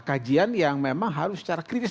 kajian yang memang harus secara kritis